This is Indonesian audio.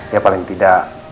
ya paling tidak